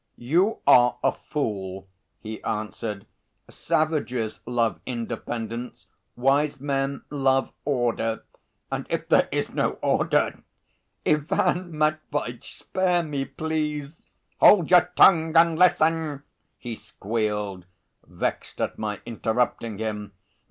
"You are a fool," he answered. "Savages love independence, wise men love order; and if there is no order...." "Ivan Matveitch, spare me, please!" "Hold your tongue and listen!" he squealed, vexed at my interrupting him.